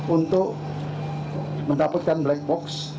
untuk mendapatkan black box